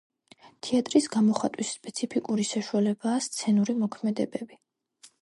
თეატრის გამოხატვის სპეციფიკური საშუალებაა სცენური მოქმედებები